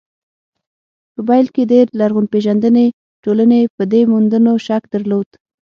په پيل کې د لرغونپېژندنې ټولنې په دې موندنو شک درلود.